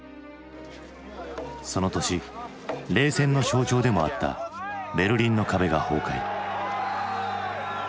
その年冷戦の象徴でもあったベルリンの壁が崩壊。